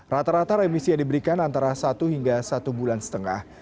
rata rata remisi yang diberikan antara satu hingga satu bulan setengah